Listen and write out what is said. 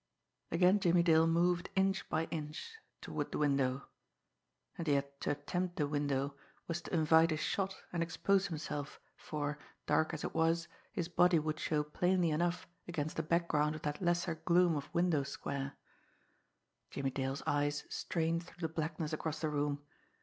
Again Jimmie Dale moved inch by inch toward the window. And yet to attempt the window was to invite a shot and expose himself, for, dark as it was, his body would show plainly enough against the background of that lesser gloom of window square. Jimmie Dale's eyes strained through the blackness across the room.